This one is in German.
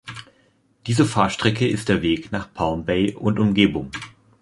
Diese Fahrstrecke ist der Weg nach Palm Bay und Umgebung.